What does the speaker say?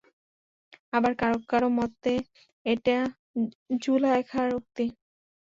আবার কারো কারো মতে, এটা যুলায়খার উক্তি।